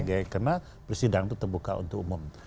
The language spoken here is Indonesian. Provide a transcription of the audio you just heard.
karena persidangan itu terbuka untuk umum